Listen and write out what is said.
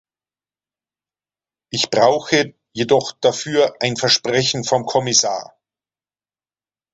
Ich brauche jedoch dafür ein Versprechen vom Kommissar.